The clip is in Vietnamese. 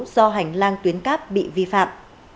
do hành lang tuyến cáp bị vi phạm